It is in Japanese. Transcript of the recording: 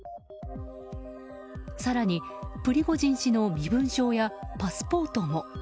更に、プリゴジン氏の身分証やパスポートも。